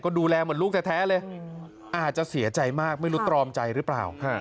ดูแลเหมือนลูกแท้เลยอาจจะเสียใจมากไม่รู้ตรอมใจหรือเปล่า